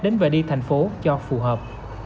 đến và đi tp hcm cho phù hợp